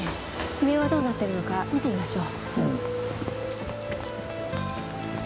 上はどうなっているのか見てみましょう。